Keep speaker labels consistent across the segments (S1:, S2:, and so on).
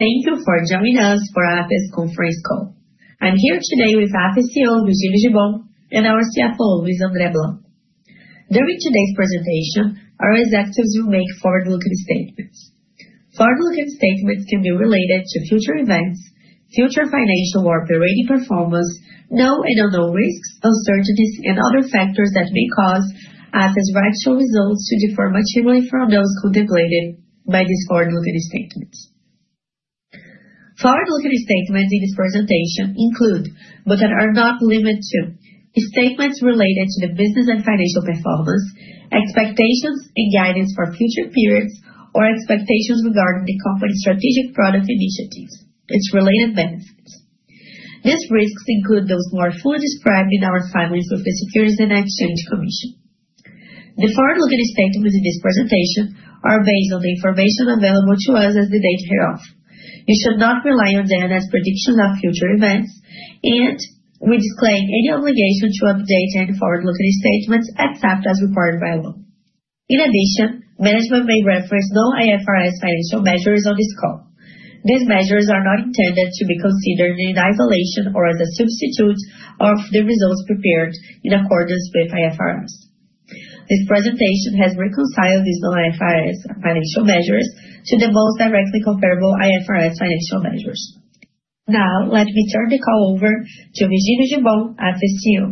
S1: Thank you for joining us for our Afya conference call. I'm here today with Afya CEO, Virgilio Gibbon, and our CFO, Luis André Blanco. During today's presentation, our executives will make forward-looking statements. Forward-looking statements can be related to future events, future financial or operating performance, known and unknown risks, uncertainties, and other factors that may cause Afya's actual results to differ materially from those contemplated by these forward-looking statements. Forward-looking statements in this presentation include, but are not limited to, the statements related to the business and financial performance, expectations and guidance for future periods, or expectations regarding the company's strategic product initiatives, its related benefits. These risks include those more fully described in our filings with the Securities and Exchange Commission. The forward-looking statements in this presentation are based on the information available to us as of the date hereof. You should not rely on them as predictions of future events, and we disclaim any obligation to update any forward-looking statements, except as required by law. In addition, management may reference non-IFRS financial measures on this call. These measures are not intended to be considered in isolation or as a substitute of the results prepared in accordance with IFRS. This presentation has reconciled these non-IFRS financial measures to the most directly comparable IFRS financial measures. Now, let me turn the call over to Virgilio Gibbon, Afya's CEO.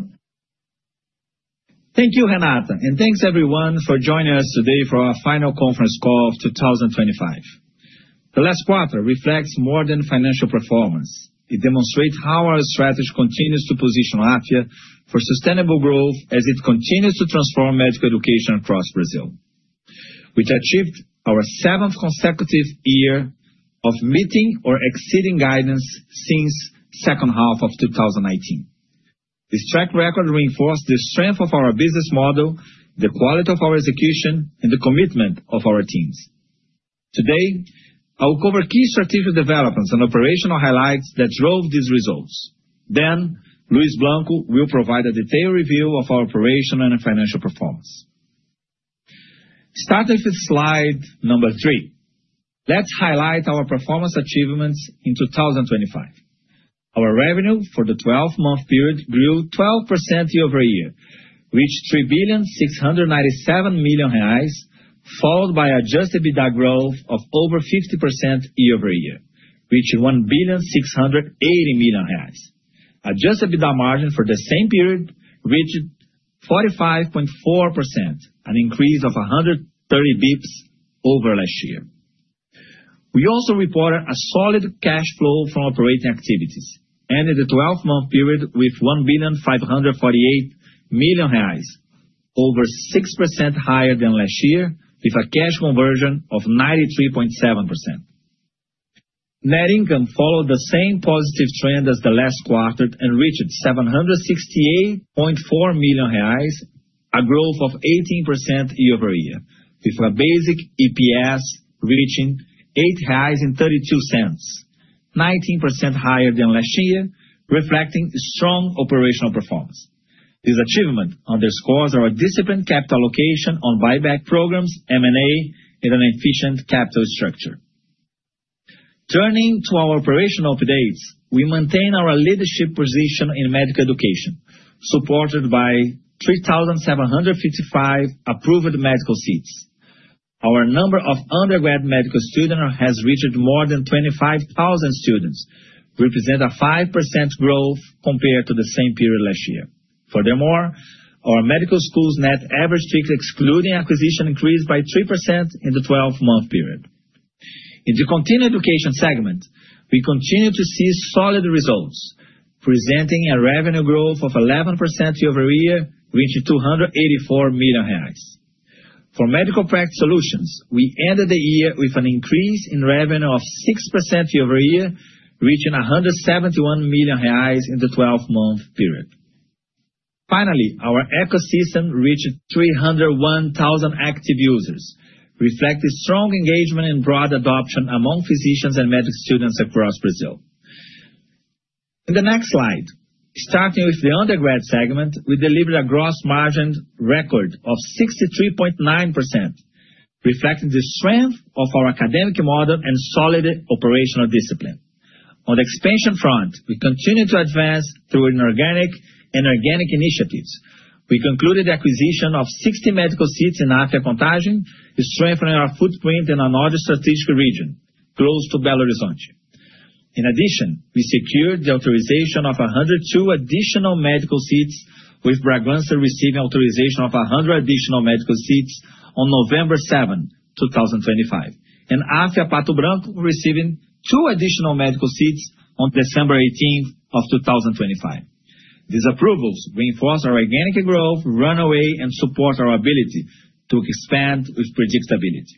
S2: Thank you, Renata, and thanks everyone for joining us today for our final conference call of 2025. The last quarter reflects more than financial performance. It demonstrates how our strategy continues to position Afya for sustainable growth as it continues to transform medical education across Brazil. We've achieved our seventh consecutive year of meeting or exceeding guidance since second half of 2018. This track record reinforce the strength of our business model, the quality of our execution, and the commitment of our teams. Today, I will cover key strategic developments and operational highlights that drove these results. Luis Blanco will provide a detailed review of our operation and financial performance. Starting with slide number 3, let's highlight our performance achievements in 2025. Our revenue for the 12-month period grew 12% year-over-year, reached 3,697,000,000 reais followed by adjusted EBITDA growth of over 50% year-over-year, reaching 1,680,000,000 reais. Adjusted EBITDA margin for the same period reached 45.4%, an increase of 130 basis points over last year. We also reported a solid cash flow from operating activities, ending the 12-month period with 1,548,000,000 reais over 6% higher than last year, with a cash conversion of 93.7%. Net income followed the same positive trend as the last quarter and reached 768.4 million reais, a growth of 18% year-over-year, with a basic EPS reaching BRL 8.32, 19% higher than last year, reflecting strong operational performance. This achievement underscores our disciplined capital allocation on buyback programs, M&A, and an efficient capital structure. Turning to our operational updates, we maintain our leadership position in medical education, supported by 3,755 approved medical seats. Our number of undergrad medical student has reached more than 25,000 students, represent a 5% growth compared to the same period last year. Furthermore, our medical schools net average strictly excluding acquisition increased by 3% in the 12-month period. In the continuing education segment, we continue to see solid results, presenting a revenue growth of 11% year-over-year, reaching 284 million reais. For medical practice solutions, we ended the year with an increase in revenue of 6% year-over-year, reaching BRL 171 million in the 12th-month period. Finally, our ecosystem reached 301,000 active users, reflecting strong engagement and broad adoption among physicians and medical students across Brazil. In the next slide, starting with the undergrad segment, we delivered a record gross margin of 63.9%, reflecting the strength of our academic model and solid operational discipline. On the expansion front, we continue to advance through inorganic and organic initiatives. We concluded the acquisition of 60 medical seats in Afya Contagem, strengthening our footprint in another strategic region close to Belo Horizonte. In addition, we secured the authorization of 102 additional medical seats, with Bragança receiving authorization of 100 additional medical seats on November 7th, 2025, and Afya Pato Branco receiving two additional medical seats on December 18th, of 2025. These approvals reinforce our organic growth runway and support our ability to expand with predictability.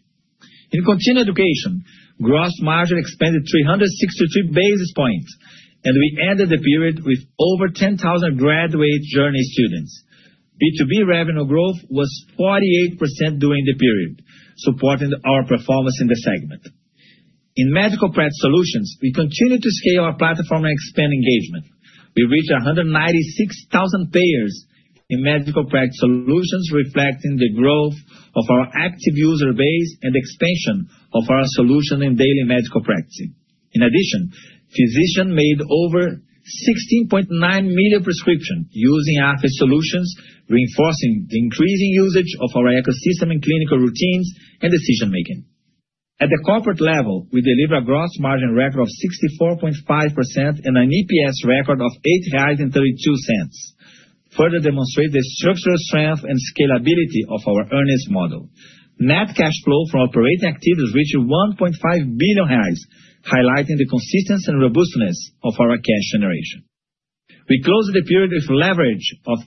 S2: In continuing education, gross margin expanded 363 basis points, and we ended the period with over 10,000 graduate journey students. B2B revenue growth was 48% during the period, supporting our performance in the segment. In medical practice solutions, we continue to scale our platform and expand engagement. We reached 196,000 payers in medical practice solutions, reflecting the growth of our active user base and expansion of our solution in daily medical practice. In addition, physicians made over 16.9 million prescriptions using our solutions, reinforcing the increasing usage of our ecosystem in clinical routines and decision-making. At the corporate level, we deliver a gross margin record of 64.5% and an EPS record of 8.32 reais, further demonstrate the structural strength and scalability of our earnings model. Net cash flow from operating activities reached 1.5 billion reais, highlighting the consistency and robustness of our cash generation. We closed the period with leverage of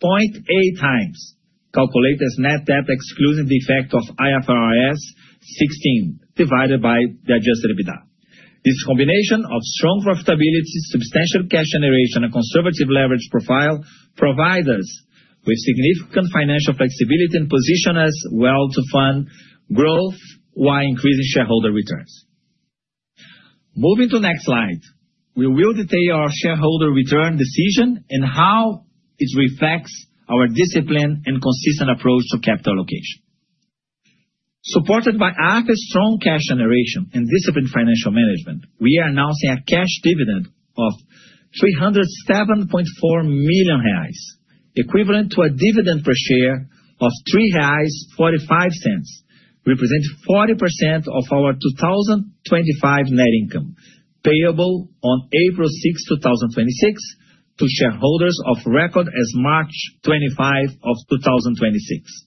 S2: 0.8x, calculated as net debt, excluding the effect of IFRS 16 divided by the adjusted EBITDA. This combination of strong profitability, substantial cash generation, and conservative leverage profile provide us with significant financial flexibility and position us well to fund growth while increasing shareholder returns. Moving to next slide, we will detail our shareholder return decision and how it reflects our discipline and consistent approach to capital allocation. Supported by Afya's strong cash generation and disciplined financial management, we are announcing a cash dividend of 307.4 million reais, equivalent to a dividend per share of 3.45 reais, representing 40% of our 2025 net income, payable on April 6, 2026 to shareholders of record as of March 25, of 2026.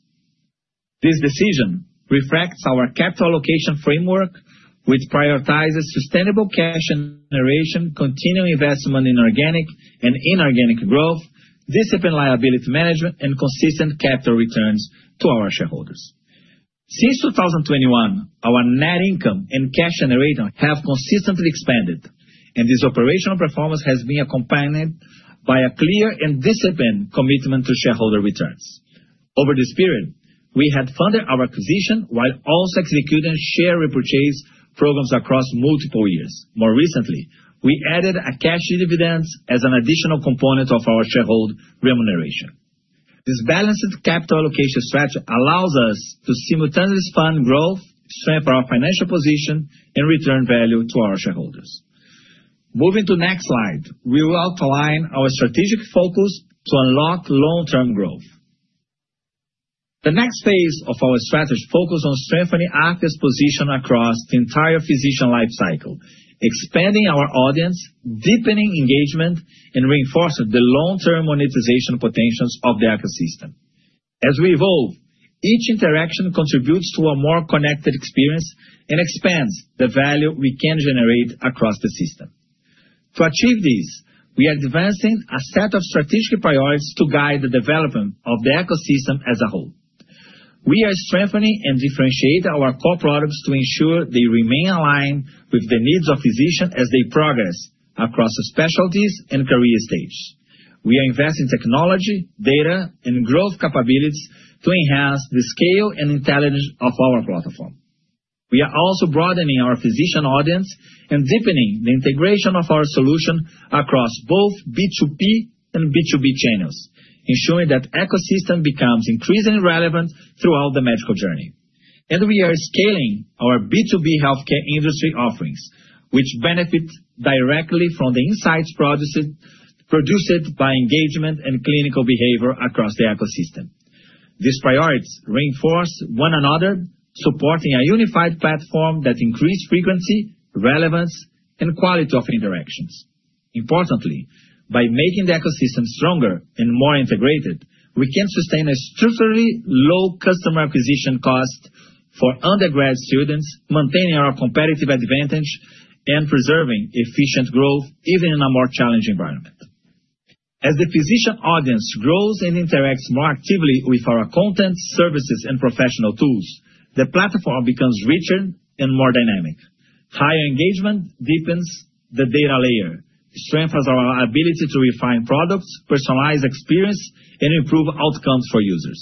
S2: This decision reflects our capital allocation framework, which prioritizes sustainable cash generation, continuing investment in organic and inorganic growth, disciplined liability management, and consistent capital returns to our shareholders. Since 2021, our net income and cash generation have consistently expanded, and this operational performance has been accompanied by a clear and disciplined commitment to shareholder returns. Over this period, we had funded our acquisition while also executing share repurchase programs across multiple years. More recently, we added cash dividends as an additional component of our shareholder remuneration. This balanced capital allocation strategy allows us to simultaneously fund growth, strengthen our financial position, and return value to our shareholders. Moving to next slide, we will outline our strategic focus to unlock long-term growth. The next phase of our strategic focus on strengthening Afya's position across the entire physician lifecycle, expanding our audience, deepening engagement, and reinforcing the long-term monetization potentials of the ecosystem. As we evolve, each interaction contributes to a more connected experience and expands the value we can generate across the system. To achieve this, we are advancing a set of strategic priorities to guide the development of the ecosystem as a whole. We are strengthening and differentiating our core products to ensure they remain aligned with the needs of physicians as they progress across specialties and career stages. We are investing technology, data, and growth capabilities to enhance the scale and intelligence of our platform. We are also broadening our physician audience and deepening the integration of our solution across both B2P and B2B channels, ensuring that ecosystem becomes increasingly relevant throughout the medical journey. We are scaling our B2P healthcare industry offerings, which benefit directly from the insights produced by engagement and clinical behavior across the ecosystem. These priorities reinforce one another, supporting a unified platform that increase frequency, relevance, and quality of interactions. Importantly, by making the ecosystem stronger and more integrated, we can sustain a structurally low customer acquisition cost for undergrad students, maintaining our competitive advantage and preserving efficient growth even in a more challenging environment. As the physician audience grows and interacts more actively with our content, services, and professional tools, the platform becomes richer and more dynamic. Higher engagement deepens the data layer, strengthens our ability to refine products, personalize experience, and improve outcomes for users.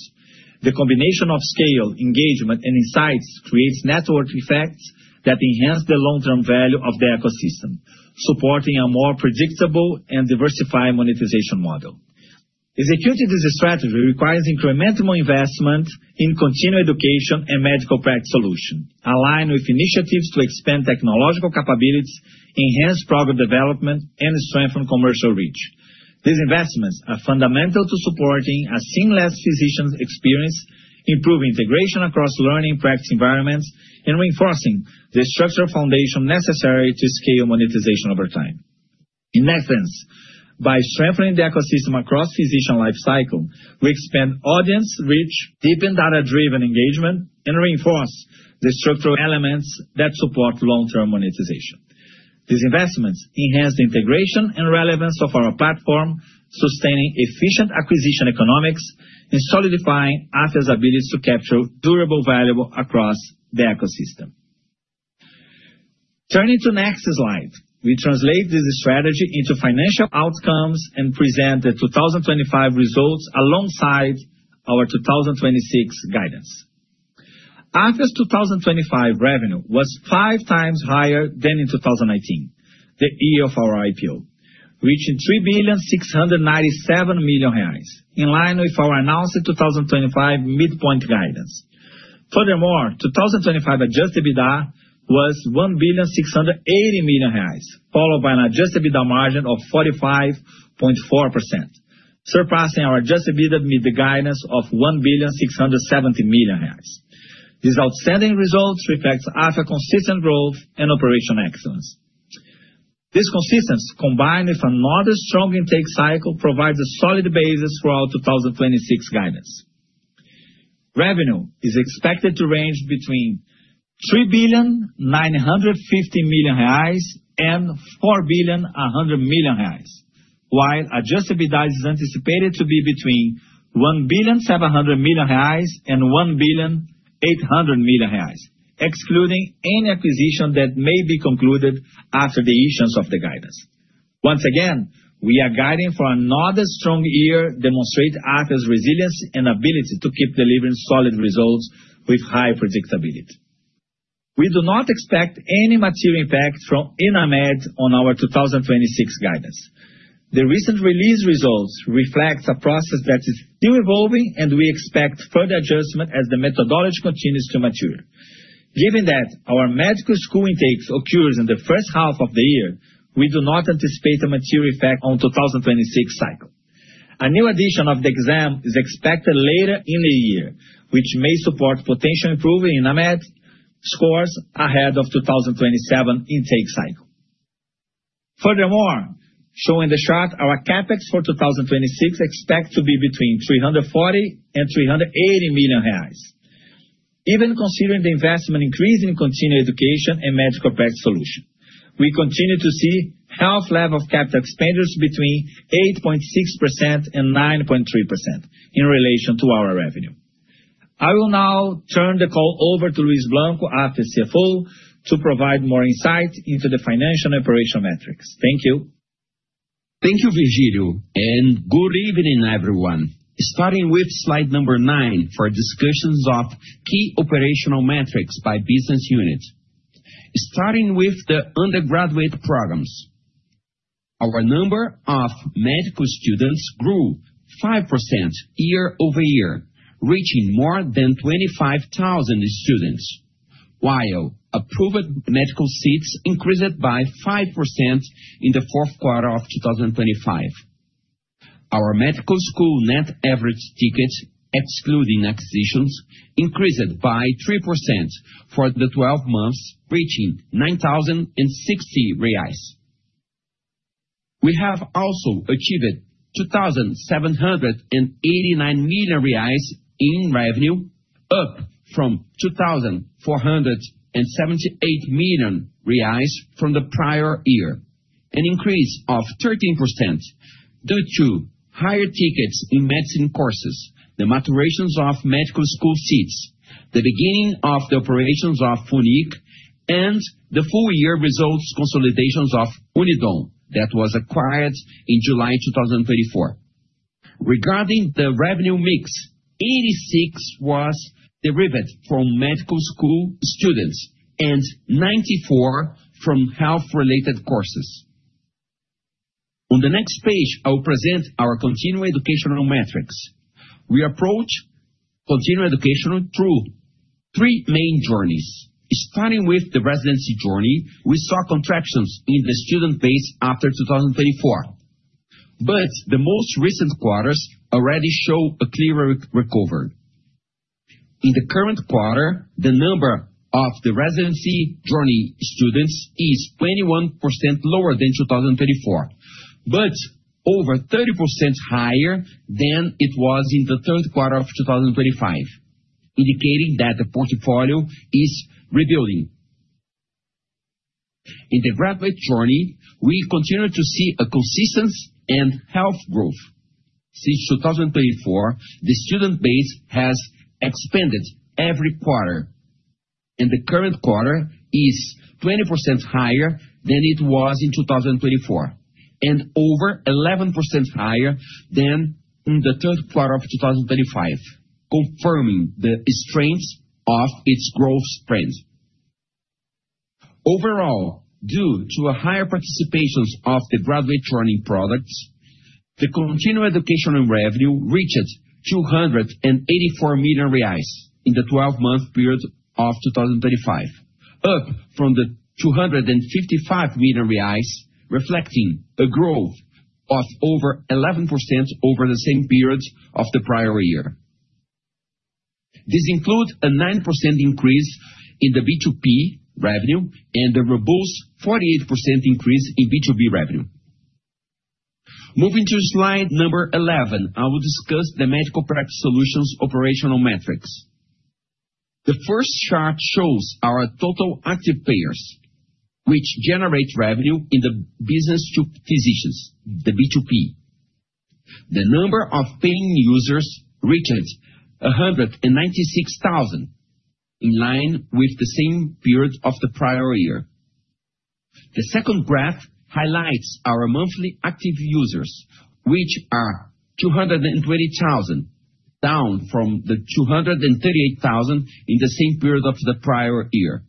S2: The combination of scale, engagement, and insights creates network effects that enhance the long-term value of the ecosystem, supporting a more predictable and diversified monetization model. Executing this strategy requires incremental investment in continuing education and medical practice solutions, aligned with initiatives to expand technological capabilities, enhance product development, and strengthen commercial reach. These investments are fundamental to supporting a seamless physician experience, improving integration across learning practice environments, and reinforcing the structural foundation necessary to scale monetization over time. In essence, by strengthening the ecosystem across physician lifecycle, we expand audience reach, deepen data-driven engagement, and reinforce the structural elements that support long-term monetization. These investments enhance the integration and relevance of our platform, sustaining efficient acquisition economics, and solidifying Afya's ability to capture durable value across the ecosystem. Turning to next slide, we translate this strategy into financial outcomes and present the 2025 results alongside our 2026 guidance. Afya's 2025 revenue was 5x higher than in 2019, the year of our IPO, reaching 3.697 billion, in line with our announced 2025 midpoint guidance. Furthermore, 2025 adjusted EBITDA was 1.68 billion reais, followed by an adjusted EBITDA margin of 45.4%, surpassing our adjusted EBITDA mid guidance of 1.67 billion. These outstanding results reflects after consistent growth and operational excellence. This consistency, combined with another strong intake cycle, provides a solid basis for our 2026 guidance. Revenue is expected to range between 3.95 billion and 4.1 billion, while adjusted EBITDA is anticipated to be between 1.7 billion and 1.8 billion, excluding any acquisition that may be concluded after the issuance of the guidance. Once again, we are guiding for another strong year, demonstrating Afya's resilience and ability to keep delivering solid results with high predictability. We do not expect any material impact from ENAMED on our 2026 guidance. The recent released results reflect a process that is still evolving, and we expect further adjustment as the methodology continues to mature. Given that our medical school intakes occur in the first half of the year, we do not anticipate a material effect on 2026 cycle. A new edition of the exam is expected later in the year, which may support potential improvement in ENAMED scores ahead of 2027 intake cycle. Furthermore, as shown in the chart, our CapEx for 2026 is expected to be between 340 million and 380 million reais. Even considering the investment increase in continuing education and medical practice solution, we continue to see healthy level of capital expenditures between 8.6% and 9.3% in relation to our revenue. I will now turn the call over to Luis Blanco, Afya's CFO, to provide more insight into the financial and operational metrics. Thank you.
S3: Thank you, Virgilio, and good evening, everyone. Starting with slide number 9 for discussions of key operational metrics by business unit. Starting with the undergraduate programs. Our number of medical students grew 5% year-over-year, reaching more than 25,000 students. While approved medical seats increased by 5% in the fourth quarter of 2025. Our medical school net average ticket, excluding acquisitions, increased by 3% for the 12 months, reaching 9,060 reais. We have also achieved 2,789,000,000 reais in revenue, up from 2,478,000,000 reais from the prior year, an increase of 13% due to higher tickets in medicine courses, the maturations of medical school seats, the beginning of the operations of FUNIC, and the full-year results consolidations of UNIT Alagoas that was acquired in July 2024. Regarding the revenue mix, 86% was derived from medical school students and 94% from health-related courses. On the next page, I will present our continuing education metrics. We approach continuing education through three main journeys. Starting with the residency journey, we saw contractions in the student base after 2024, but the most recent quarters already show a clearer recovery. In the current quarter, the number of the residency journey students is 21% lower than 2024, but over 30% higher than it was in the third quarter of 2025, indicating that the portfolio is rebuilding. In the graduate journey, we continue to see a consistent and healthy growth. Since 2024, the student base has expanded every quarter, and the current quarter is 20% higher than it was in 2024 and over 11% higher than in the third quarter of 2025, confirming the strength of its growth trend. Overall, due to a higher participation of the graduate journey products, the continuing education revenue reached 284 million reais in the 12-month period of 2025, up from 255 million reais, reflecting a growth of over 11% over the same period of the prior year. This includes a 9% increase in the B2P revenue and a robust 48% increase in B2B revenue. Moving to slide 11, I will discuss the medical practice solutions operational metrics. The first chart shows our total active payers, which generate revenue in the business to physicians, the B2P. The number of paying users reached 196,000, in line with the same period of the prior year. The second graph highlights our monthly active users, which are 220,000. Down from the 238,000 in the same period of the prior year.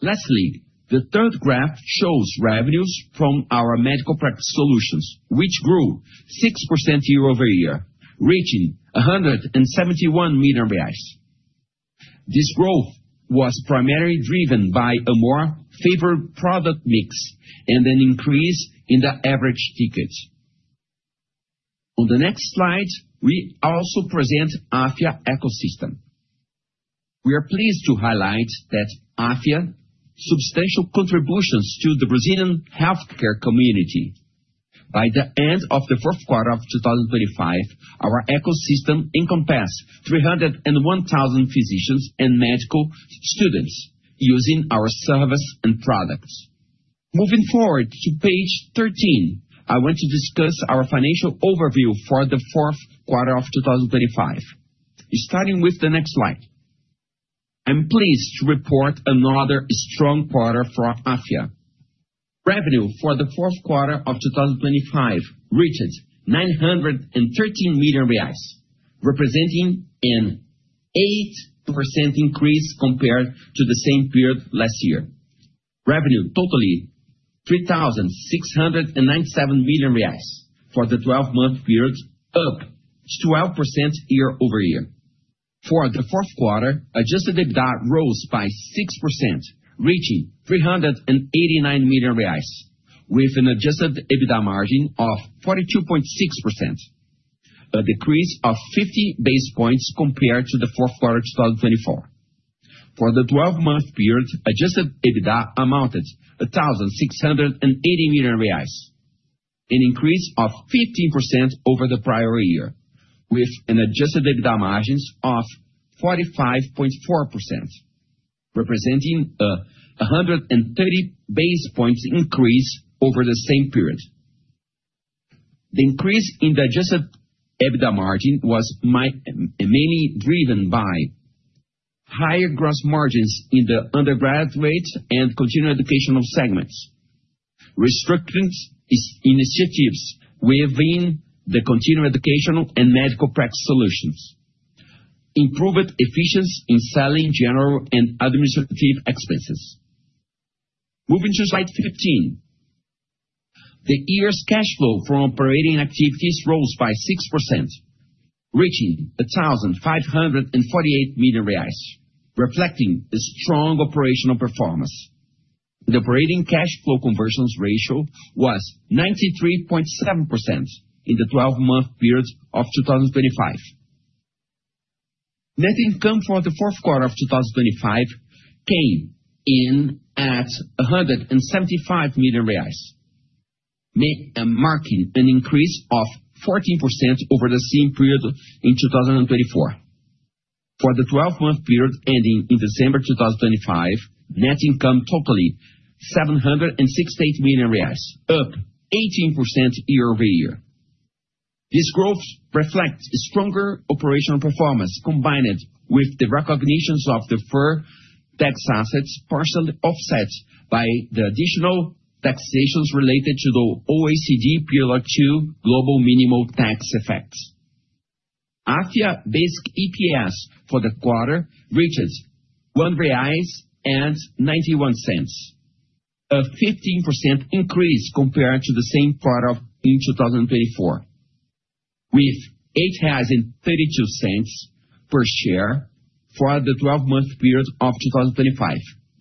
S3: Lastly, the third graph shows revenues from our medical practice solutions, which grew 6% year-over-year, reaching 171 million. This growth was primarily driven by a more favored product mix and an increase in the average ticket. On the next slide, we also present Afya ecosystem. We are pleased to highlight that Afya's substantial contributions to the Brazilian healthcare community. By the end of the fourth quarter of 2025, our ecosystem encompassed 301,000 physicians and medical students using our service and products. Moving forward to page 13, I want to discuss our financial overview for the fourth quarter of 2025. Starting with the next slide. I'm pleased to report another strong quarter for Afya. Revenue for the fourth quarter of 2025 reached 913 million reais, representing an 8% increase compared to the same period last year. Revenue totaled BRL 3,697,000,000 for the 12-month period, up 12% year-over-year. For the fourth quarter, adjusted EBITDA rose by 6%, reaching 389 million reais, with an adjusted EBITDA margin of 42.6%. A decrease of 50 basis points compared to the fourth quarter of 2024. For the 12-month period, adjusted EBITDA amounted to 1,680,000,000 reais an increase of 15% over the prior year, with an adjusted EBITDA margin of 45.4%, representing a 130 basis points increase over the same period. The increase in the adjusted EBITDA margin was mainly driven by higher gross margins in the undergraduate and continuing educational segments, restructuring initiatives within the continuing educational and medical practice solutions, improved efficiency in selling general and administrative expenses. Moving to slide 15. The year's cash flow from operating activities rose by 6%, reaching 1,548,000,000 reais reflecting a strong operational performance. The operating cash flow conversion ratio was 93.7% in the 12-month period of 2025. Net income for the fourth quarter of 2025 came in at 175 million reais, marking an increase of 14% over the same period in 2024. For the 12-month period ending in December 2025, net income totaling 768 million reais, up 18% year-over-year. This growth reflects a stronger operational performance combined with the recognition of deferred tax assets partially offset by the additional taxation related to the OECD Pillar Two global minimum tax effects. Afya basic EPS for the quarter reaches BRL 1.91, a 15% increase compared to the same quarter in 2024, with 8.32 per share for the 12-month period of 2025,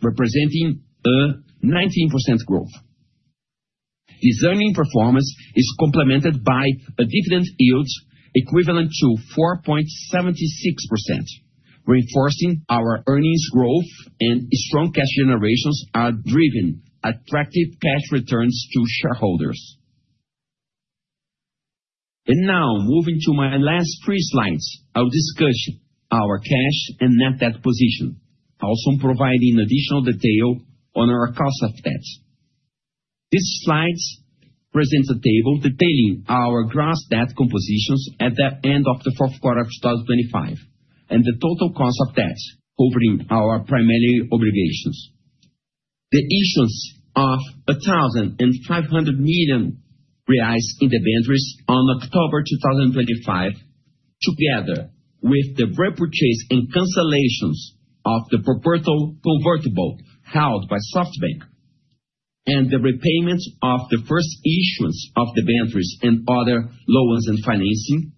S3: representing a 19% growth. This earnings performance is complemented by a dividend yield equivalent to 4.76%, reinforcing our earnings growth and strong cash generation is driving attractive cash returns to shareholders. Now moving to my last three slides, I'll discuss our cash and net debt position, also providing additional detail on our cost of debt. This slide presents a table detailing our gross debt composition at the end of the fourth quarter of 2025 and the total cost of debt covering our primary obligations. The issuance of BRL 1,500,000,000 in debentures on October 2025, together with the repurchase and cancellations of the perpetual convertible held by SoftBank and the repayments of the first issuance of debentures and other loans and financing,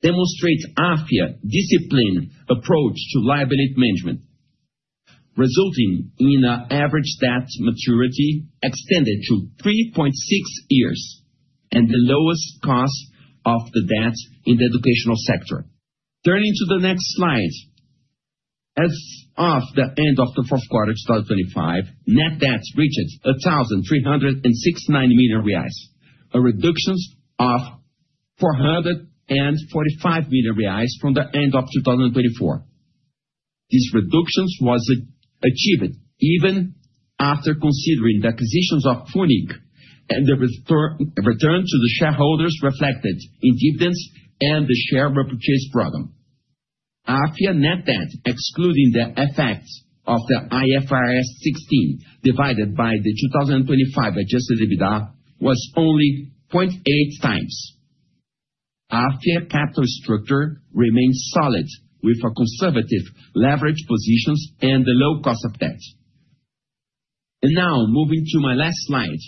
S3: demonstrate Afya's disciplined approach to liability management, resulting in an average debt maturity extended to 3.6 years and the lowest cost of the debt in the educational sector. Turning to the next slide. As of the end of the fourth quarter of 2025, net debt reaches 1,369,000,000 reais a reduction of 445 million reais from the end of 2024. This reduction was achieved even after considering the acquisitions of FUNIC and the return to the shareholders reflected in dividends and the share repurchase program. Afya net debt, excluding the effects of the IFRS 16 divided by the 2025 adjusted EBITDA was only 0.8x. Afya capital structure remains solid with a conservative leverage positions and a low cost of debt. Now moving to my last slide.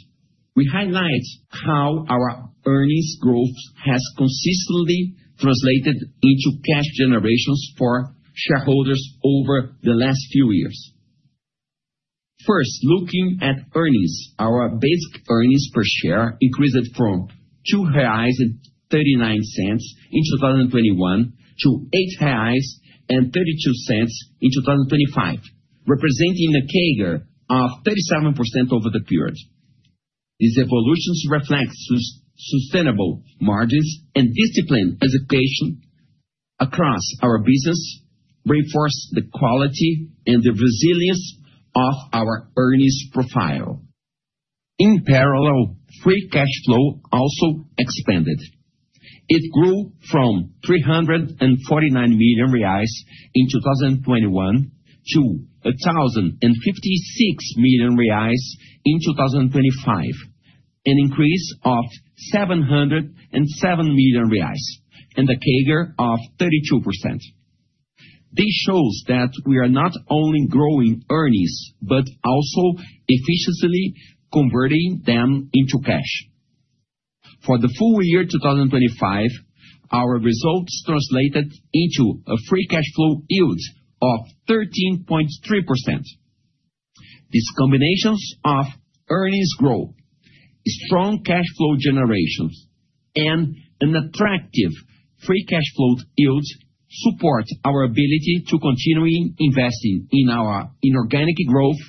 S3: We highlight how our earnings growth has consistently translated into cash generation for shareholders over the last few years. First, looking at earnings. Our basic earnings per share increased from 2.39 reais in 2021 to 8.32 reais in 2025, representing a CAGR of 37% over the period. These evolutions reflect sustainable margins and discipline execution across our business, reinforce the quality and the resilience of our earnings profile. In parallel, free cash flow also expanded. It grew from 349 million reais in 2021 to 1,056,000,000 reais in 2025, an increase of 707 million reais and a CAGR of 32%. This shows that we are not only growing earnings but also efficiently converting them into cash. For the full year 2025, our results translated into a free cash flow yield of 13.3%. These combinations of earnings growth, strong cash flow generations, and an attractive free cash flow yield support our ability to continuing investing in our inorganic growth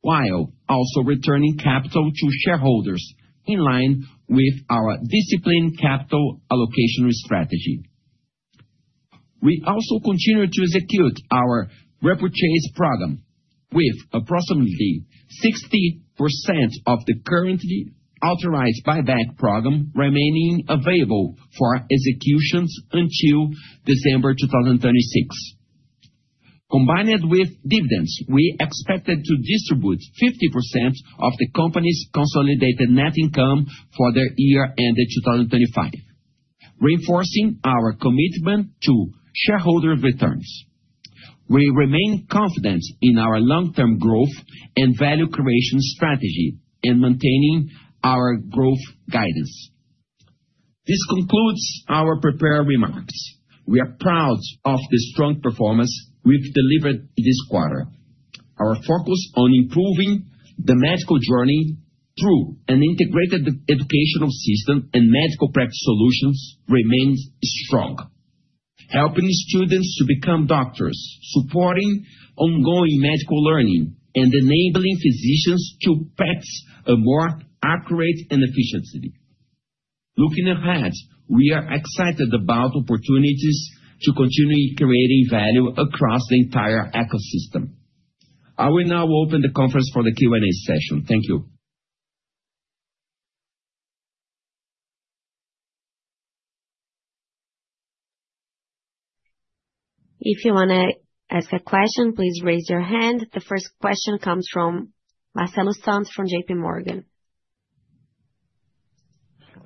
S3: while also returning capital to shareholders in line with our disciplined capital allocation strategy. We also continue to execute our repurchase program with approximately 60% of the currently authorized buyback program remaining available for executions until December 2026. Combined with dividends, we expected to distribute 50% of the company's consolidated net income for the year ended 2025, reinforcing our commitment to shareholder returns. We remain confident in our long-term growth and value creation strategy and maintaining our growth guidance. This concludes our prepared remarks. We are proud of the strong performance we've delivered this quarter. Our focus on improving the medical journey through an integrated educational system and medical practice solutions remains strong. Helping students to become doctors, supporting ongoing medical learning, and enabling physicians to practice more accurately and efficiently. Looking ahead, we are excited about opportunities to continue creating value across the entire ecosystem. I will now open the conference for the Q&A session. Thank you.
S1: If you wanna ask a question, please raise your hand. The first question comes from Marcelo Santos from J.P. Morgan.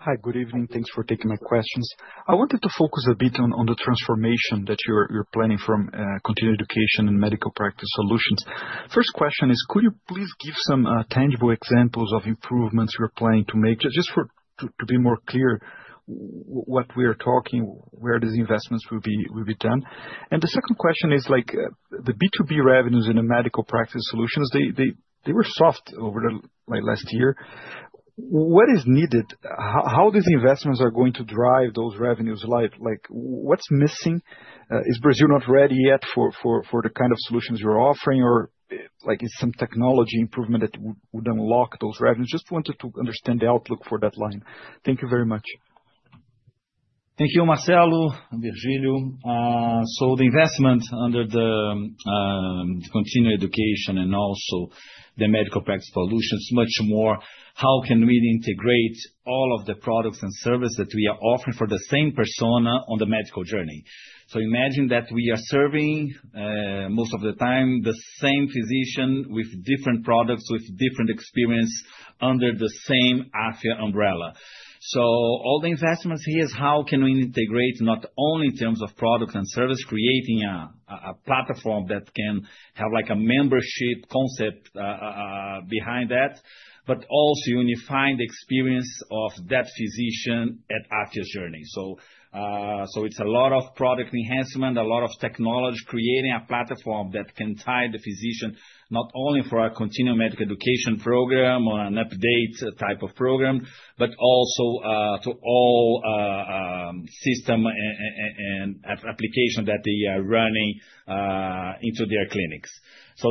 S4: Hi, good evening. Thanks for taking my questions. I wanted to focus a bit on the transformation that you're planning from continuing education and medical practice solutions. First question is, could you please give some tangible examples of improvements you're planning to make? Just to be more clear what we are talking, where these investments will be done? The second question is like, the B2B revenues in the medical practice solutions, they were soft over the like last year. What is needed? How these investments are going to drive those revenues higher? Like, what's missing? Is Brazil not ready yet for the kind of solutions you're offering? Or, like, is some technology improvement that would unlock those revenues? Just wanted to understand the outlook for that line. Thank you very much.
S2: Thank you, Marcelo, this is Virgilio. The investment under the continuing education and also the medical practice solutions much more how can we integrate all of the products and services that we are offering for the same persona on the medical journey. Imagine that we are serving most of the time the same physician with different products, with different experience under the same Afya umbrella. All the investments here is how can we integrate not only in terms of product and service, creating a platform that can have like a membership concept behind that, but also unifying the experience of that physician at Afya's journey. It's a lot of product enhancement, a lot of technology, creating a platform that can tie the physician not only for our continuing medical education program or an update type of program, but also to all system and application that they are running into their clinics.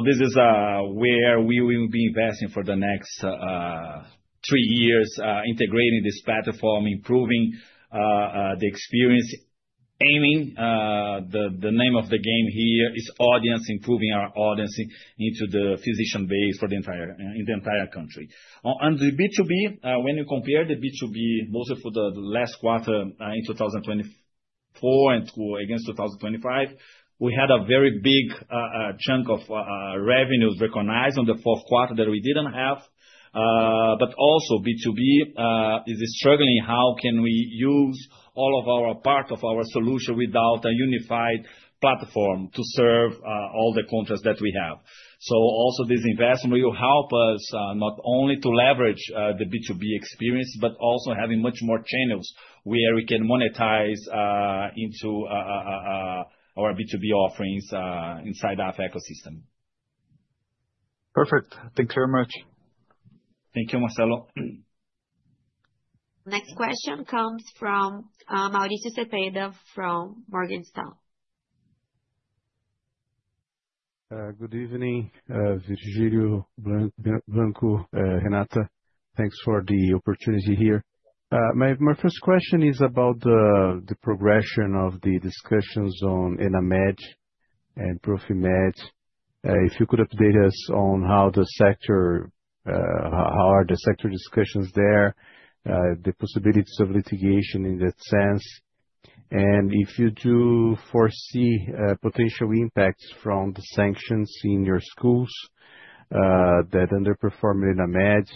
S2: This is where we will be investing for the next three years, integrating this platform, improving the experience, aiming the name of the game here is audience, improving our audience into the physician base for the entire country. On the B2B, when you compare the B2B, mostly for the last quarter in 2024 against 2025. We had a very big chunk of revenues recognized on the fourth quarter that we didn't have. Also, B2B is struggling. How can we use all of our part of our solution without a unified platform to serve all the contracts that we have. Also, this investment will help us not only to leverage the B2B experience, but also having much more channels where we can monetize into our B2B offerings inside our ecosystem.
S4: Perfect. Thank you very much.
S2: Thank you, Marcelo.
S1: Next question comes from, Mauricio Cepeda from Morgan Stanley.
S5: Good evening, Virgilio, Blanco, and Renata. Thanks for the opportunity here. My first question is about the progression of the discussions on ENAMED and PROFIMED. If you could update us on how the sector discussions there are, the possibilities of litigation in that sense, and if you do foresee potential impacts from the sanctions in your schools that underperform ENAMED,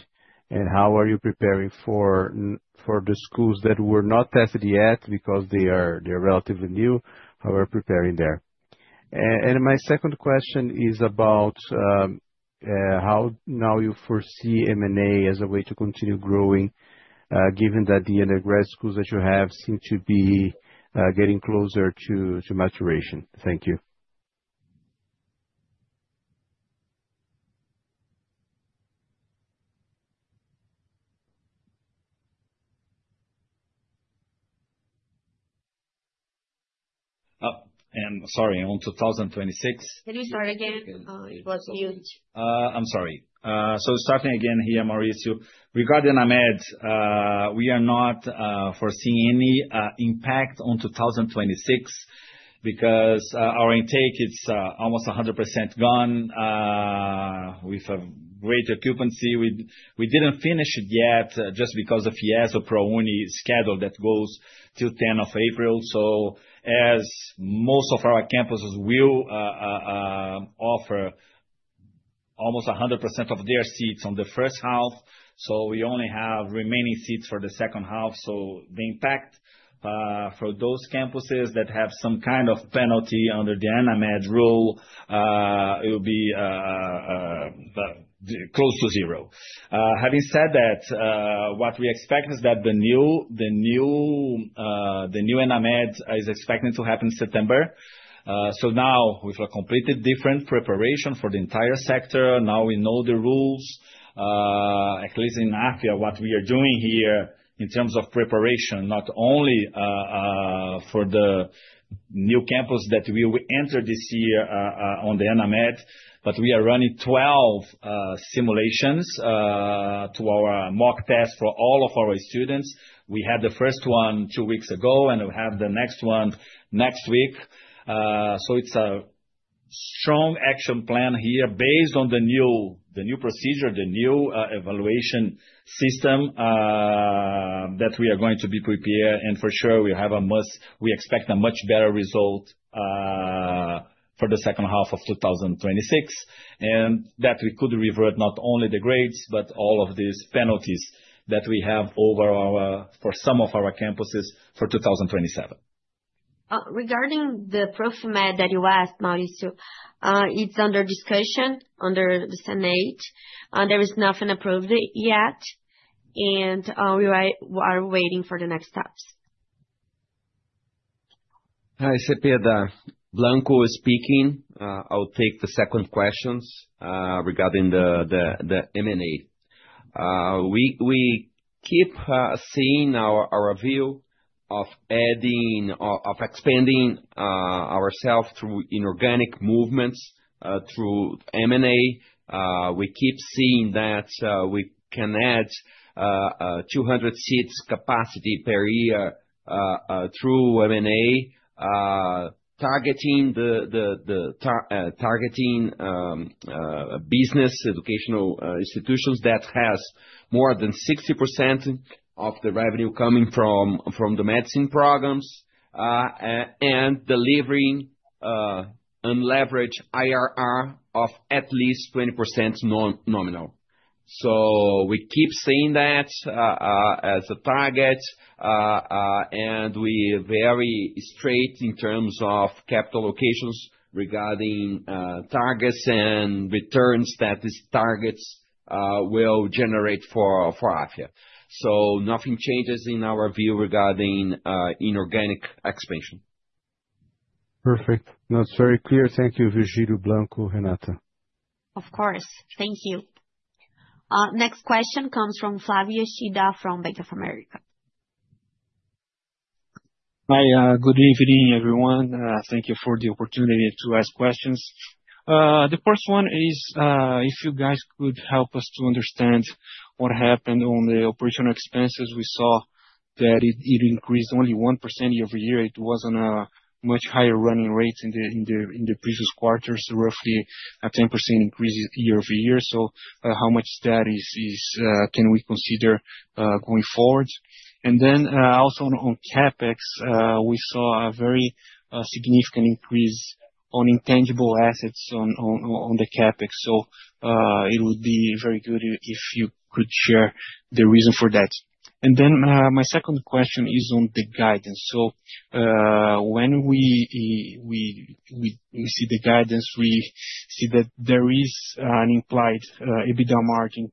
S5: and how are you preparing for the schools that were not tested yet because they are relatively new, how are you preparing there? My second question is about how now you foresee M&A as a way to continue growing, given that the undergrad schools that you have seem to be getting closer to maturation. Thank you.
S2: Sorry, on 2026.
S1: Can you start again? It was mute.
S2: I'm sorry. Starting again here, Mauricio. Regarding ENAMED, we are not foreseeing any impact on 2026 because our intake is almost 100% gone with a great occupancy. We didn't finish it yet, just because of FIES or ProUni schedule that goes till 10 of April. Most of our campuses will offer almost 100% of their seats on the first half, so we only have remaining seats for the second half. The impact for those campuses that have some kind of penalty under the ENAMED rule, it will be close to zero. Having said that, what we expect is that the new ENAMED is expected to happen September. Now with a completely different preparation for the entire sector, now we know the rules. At least in Afya what we are doing here in terms of preparation, not only for the new campus that we will enter this year on the ENAMED, but we are running 12 simulations to our mock test for all of our students. We had the first one two weeks ago, and we have the next one next week. It's a strong action plan here based on the new procedure, the new evaluation system that we are going to be prepare. For sure, we expect a much better result for the second half of 2026. And that we could revert not only the grades, but all of these penalties that we have over our, for some of our campuses for 2027.
S1: Regarding the PROFIMED that you asked, Mauricio, it's under discussion in the Senate. There is nothing approved yet. We are waiting for the next steps.
S3: Hi, Cepeda. Blanco speaking. I'll take the second questions regarding the M&A. We keep seeing our view of adding or expanding ourselves through inorganic movements through M&A. We keep seeing that we can add 200 seats capacity per year through M&A, targeting business educational institutions that has more than 60% of the revenue coming from the medicine programs, and delivering unleveraged IRR of at least 20% nominal. We keep seeing that as a target, and we stay straight in terms of capital allocations regarding targets and returns that these targets will generate for Afya. Nothing changes in our view regarding inorganic expansion.
S5: Perfect. That's very clear. Thank you, Virgilio, Blanco, and Renata.
S1: Of course. Thank you. Next question comes from Flavio Yoshida from Bank of America.
S6: Hi, good evening, everyone. Thank you for the opportunity to ask questions. The first one is, if you guys could help us to understand what happened on the operational expenses. We saw that it increased only 1% year-over-year. It wasn't a much higher running rate in the previous quarters, roughly a 10% increase year-over-year. How much that is can we consider going forward? Also on CapEx, we saw a very significant increase on intangible assets on the CapEx. It would be very good if you could share the reason for that. My second question is on the guidance. When we see the guidance, we see that there is an implied EBITDA margin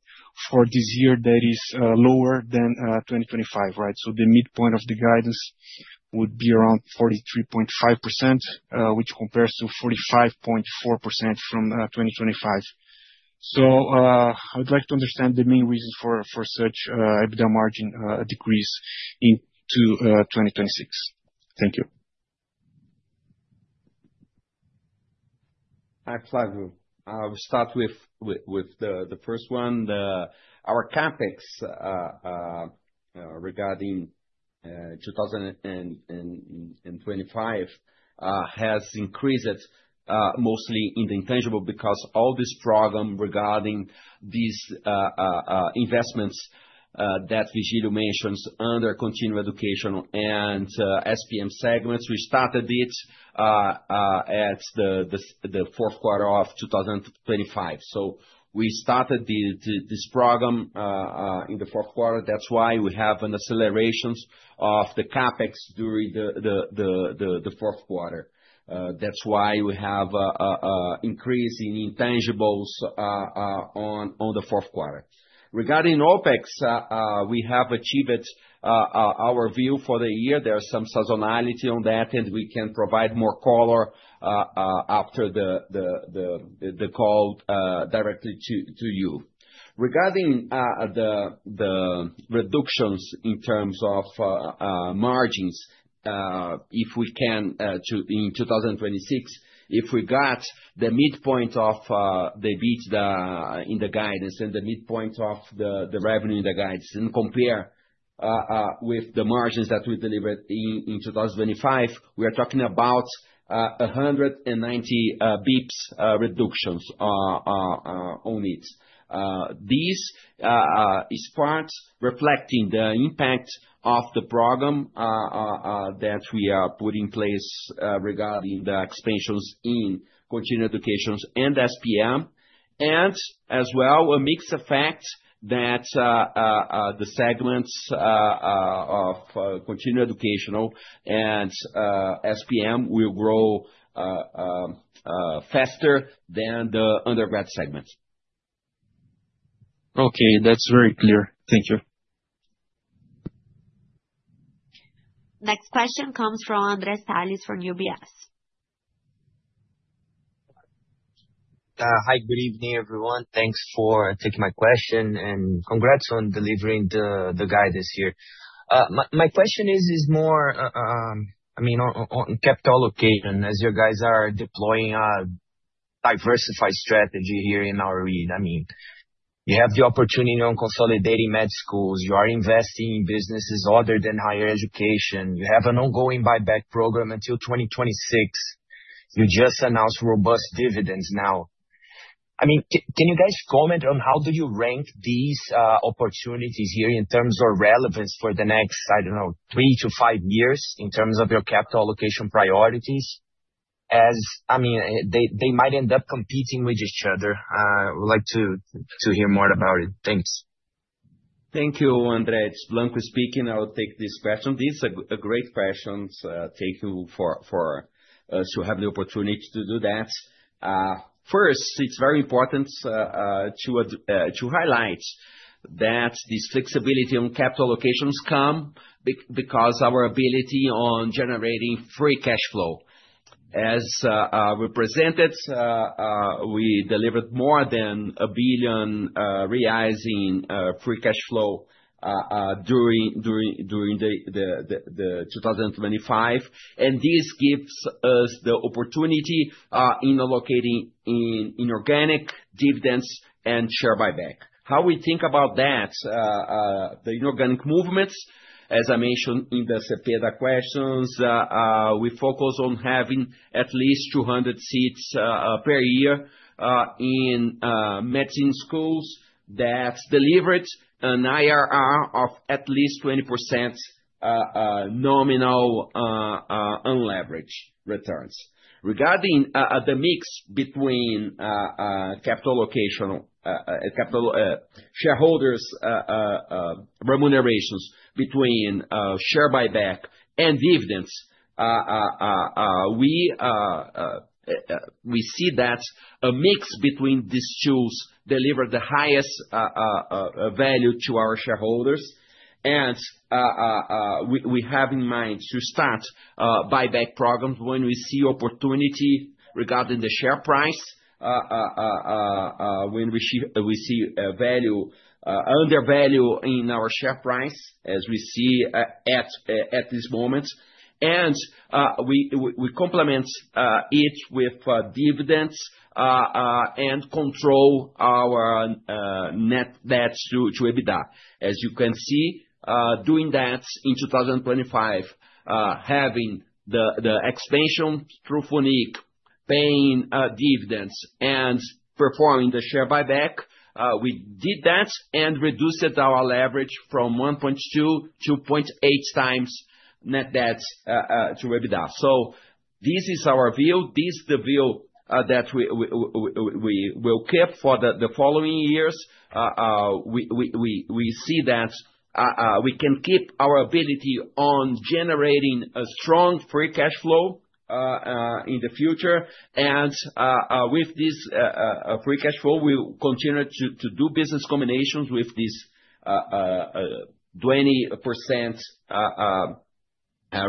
S6: for this year that is lower than 2025, right? The midpoint of the guidance would be around 43.5%, which compares to 45.4% from 2025. I would like to understand the main reasons for such EBITDA margin decrease into 2026. Thank you.
S3: Flavio, I'll start with the first one. Our CapEx regarding 2025 has increased mostly in the intangible because all this program regarding these investments that Virgilio mentions under continuing education and MPS segments, we started it at the fourth quarter of 2025. So we started this program in the fourth quarter. That's why we have an acceleration of the CapEx during the fourth quarter. That's why we have a increase in intangibles on the fourth quarter. Regarding OpEx, we have achieved our view for the year. There are some seasonality on that, and we can provide more color after the call directly to you. Regarding the reductions in terms of margins. In 2026, if we got the midpoint of the EBITDA in the guidance and the midpoint of the revenue in the guidance and compare with the margins that we delivered in 2025, we are talking about 190 basis points reductions on it. This is part reflecting the impact of the program that we put in place regarding the expansions in continuing education and MPS. As well, a mixed effect that the segments of continuing education and MPS will grow faster than the undergrad segments.
S6: Okay. That's very clear. Thank you.
S1: Next question comes from Andre Salles from UBS.
S7: Hi. Good evening, everyone. Thanks for taking my question, and congrats on delivering the guide this year. My question is more, I mean, on capital allocation, as you guys are deploying a diversified strategy here in our read. I mean, you have the opportunity on consolidating med schools. You are investing in businesses other than higher education. You have an ongoing buyback program until 2026. You just announced robust dividends now. I mean, can you guys comment on how do you rank these opportunities here in terms of relevance for the next, I don't know, 3-5 years in terms of your capital allocation priorities? I mean, they might end up competing with each other. Would like to hear more about it. Thanks.
S3: Thank you, Andre. Blanco speaking. I will take this question. This is a great question. Thank you for us to have the opportunity to do that. First, it's very important to highlight that this flexibility on capital allocations comes because of our ability to generate free cash flow. As we presented, we delivered more than 1 billion reais in free cash flow during 2025. This gives us the opportunity to allocate to inorganic dividends and share buyback. How we think about that, the inorganic movements, as I mentioned in the Cepeda questions, we focus on having at least 200 seats per year in medical schools that delivered an IRR of at least 20% nominal unleveraged returns. Regarding the mix between capital allocation to shareholders' remunerations between share buyback and dividends, we see that a mix between these tools deliver the highest value to our shareholders. And we have in mind to start buyback programs when we see opportunity regarding the share price, when we see a value undervalue in our share price as we see at this moment. We complement it with dividends and control our net debt to EBITDA. As you can see, doing that in 2025, having the expansion through FUNIC, paying dividends and performing the share buyback, we did that and reduced our leverage from 1.2 to 0.8x net debt to EBITDA. This is our view. This is the view that we will keep for the following years. We see that we can keep our ability on generating a strong free cash flow in the future. With this free cash flow, we will continue to do business combinations with this 20%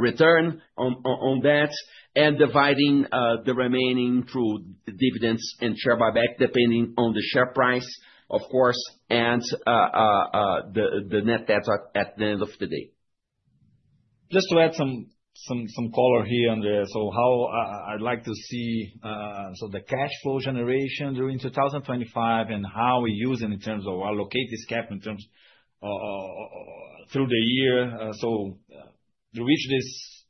S3: return on that and dividing the remaining through dividends and share buyback, depending on the share price, of course, and the net debt at the end of the day.
S2: Just to add some color here on this. I'd like to see the cash flow generation during 2025 and how we're using it in terms of allocating this cash in terms through the year. To reach this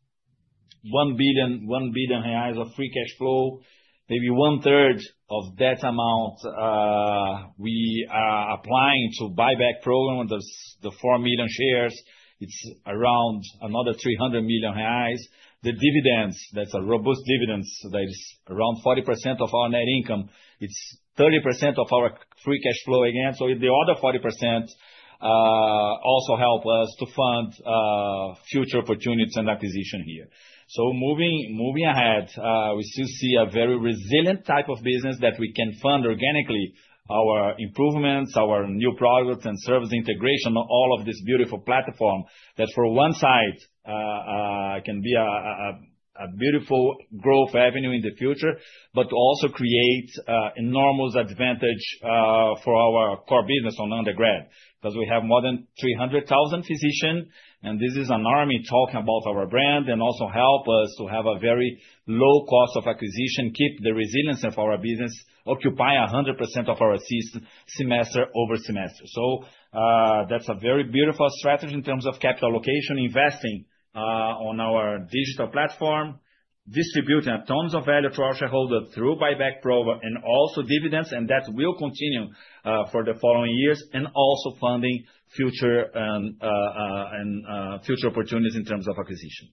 S2: 1 billion of free cash flow, maybe one-third of that amount we are applying to buyback program. The 4 million shares, it's around another 300 million reais. The dividends, that's a robust dividends. That is around 40% of our net income. It's 30% of our free cash flow again. With the other 40%, also help us to fund future opportunities and acquisition here. Moving ahead, we still see a very resilient type of business that we can fund organically our improvements, our new products and service integration, all of this beautiful platform that for one side can be a beautiful growth avenue in the future, but also creates enormous advantage for our core business on undergrad. Because we have more than 300,000 physicians, and this is an army talking about our brand and also helps us to have a very low cost of acquisition, keep the resilience of our business, occupy 100% of our seats semester over semester. That's a very beautiful strategy in terms of capital allocation, investing on our digital platform, distributing tons of value to our shareholders through buyback program and also dividends. That will continue for the following years and also funding future opportunities in terms of acquisition.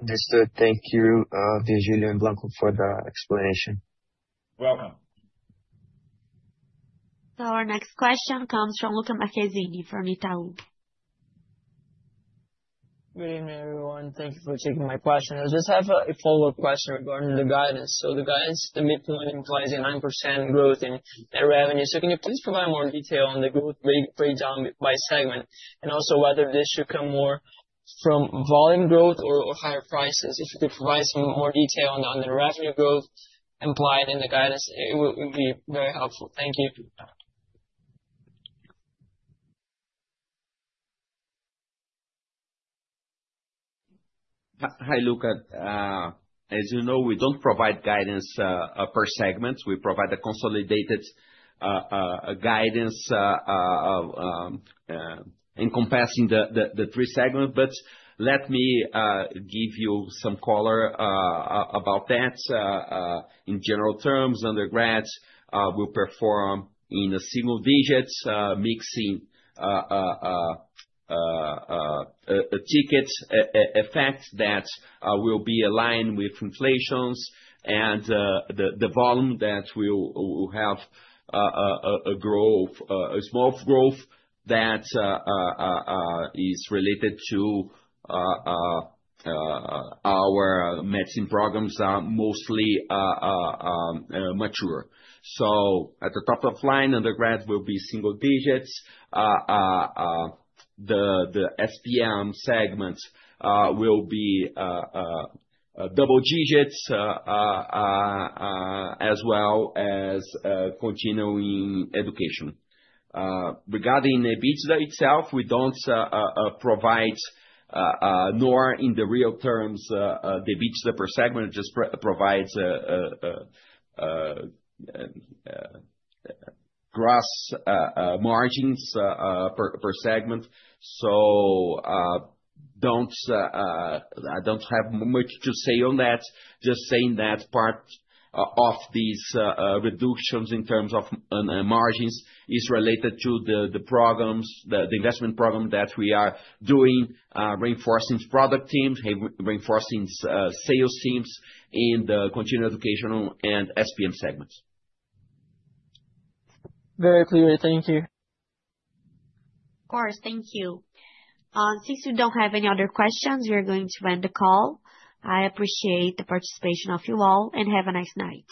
S7: Understood. Thank you, Virgilio and Blanco for the explanation.
S2: Welcome.
S1: Our next question comes from Lucca Marquezini from Itaú.
S8: Good evening, everyone. Thank you for taking my question. I just have a follow-up question regarding the guidance. The guidance, the midpoint implies a 9% growth in net revenue. Can you please provide more detail on the growth breakdown by segment? And also whether this should come more from volume growth or higher prices? If you could provide some more detail on the revenue growth implied in the guidance, it would be very helpful. Thank you.
S2: Hi, Lucca. As you know, we don't provide guidance per segment. We provide a consolidated guidance encompassing the three segments. Let me give you some color about that. In general terms, undergrads will perform in the single digits, mixing a ticket effect that will be aligned with inflation and the volume that will have a small growth that is related to our medicine programs are mostly mature. At the top line, undergrads will be single digits. The SPM segments will be double digits, as well as continuing education. Regarding the EBITDA itself, we don't provide nor in the real terms the EBITDA per segment. It just provides gross margins per segment. I don't have much to say on that. Just saying that part of these reductions in terms of margins is related to the investment program that we are doing, reinforcing product teams, reinforcing sales teams in the continuing education and SPM segments.
S8: Very clear. Thank you.
S1: Of course. Thank you. Since you don't have any other questions, we are going to end the call. I appreciate the participation of you all, and have a nice night.